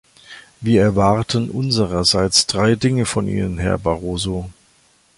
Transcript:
Wir erwarten unsererseits drei Dinge von Ihnen, Herr Barroso.